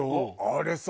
あれさ